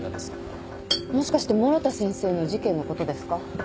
もしかして諸田先生の事件のことですか？